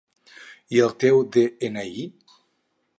I el teu de-ena-i?